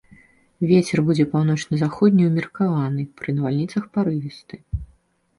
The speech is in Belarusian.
Вецер будзе паўночна-заходні ўмеркаваны, пры навальніцах парывісты.